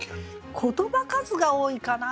言葉数が多いかな